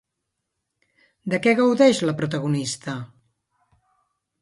De què gaudeix la protagonista?